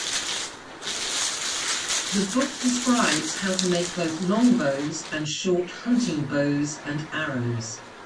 The book describes how to make both longbows and short hunting bows and arrows.